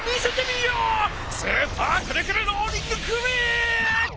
スーパーくるくるローリングクリック！